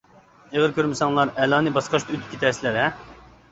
ئېغىر كۆرمىسەڭلار، ئەلانى باسقاچ ئۆتۈپ كېتەرسىلەر-ھە!